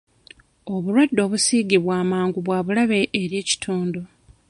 Obulwadde obusiigibwa amangu bwa bulabe eri ekitundu.